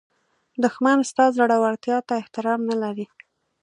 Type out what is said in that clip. دښمن ستا زړورتیا ته احترام نه لري